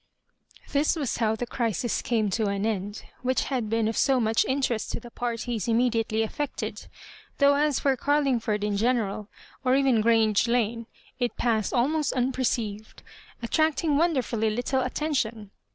Tms was how the crisis came to an end, which bad been of eo mudi interest to the parties immediately afifected, though as for Carlingford in general, or even Grang^ Lane, it passed al most unperceived, attracting wonderfully little attention.